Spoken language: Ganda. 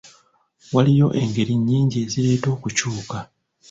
Waliyo engeri nnyingi ezireeta okukyuka.